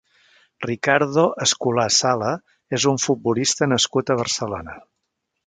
Ricardo Escolà Sala és un futbolista nascut a Barcelona.